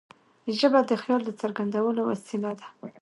ژبه د خیال د څرګندولو وسیله ده.